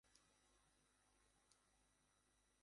কি মনে হয়, চোখ কি এর থেকে বড় বা ছোট ছিলো?